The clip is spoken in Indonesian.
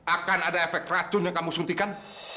akan ada efek racun yang kamu suntikan